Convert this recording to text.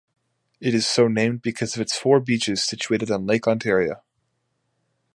It is so named because of its four beaches situated on Lake Ontario.